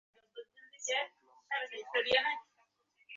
ললিতা পিতার মুখের দিকে মুখ তুলিয়া কহিল, পারব।